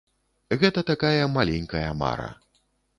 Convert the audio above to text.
Гэта такая маленькая мара.